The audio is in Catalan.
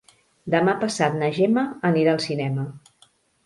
Demà passat na Gemma anirà al cinema.